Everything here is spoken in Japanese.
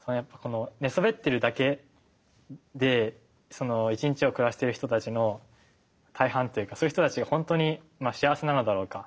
寝そべってるだけで１日を暮らしている人たちの大半っていうかそういう人たちはほんとに幸せなのだろうか。